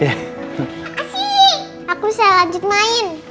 kasih aku saya lanjut main